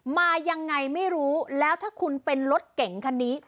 มายังไงไม่รู้แล้วถ้าคุณเป็นรถเก่งคันนี้